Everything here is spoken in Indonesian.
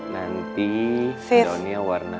nanti di daunnya warna